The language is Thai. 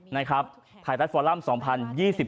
นะครับไทยรัฐฟอรัมน์๒๐๒๓